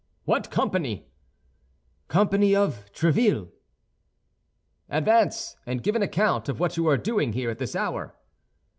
"What company?" "Company of Tréville." "Advance, and give an account of what you are doing here at this hour."